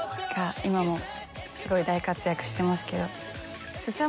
今もすごい大活躍してますけど。